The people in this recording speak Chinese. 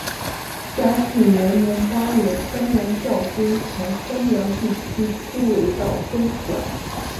嘉庆元年八月襄阳教军从襄阳地区突围到钟祥。